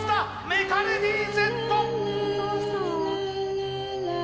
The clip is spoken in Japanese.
メカレディーＺ！